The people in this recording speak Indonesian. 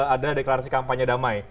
ada deklarasi kampanye damai